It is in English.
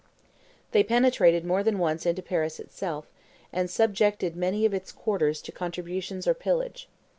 They penetrated more than once into Paris itself, and subjected many of its quarters to contributions or pillage.